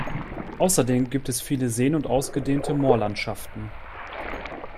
Außerdem gibt es viele Seen und ausgedehnte Moorlandschaften.